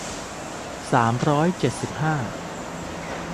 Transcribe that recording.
สามร้อยเจ็ดสิบห้า